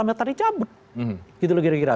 mencabut gitu loh kira kira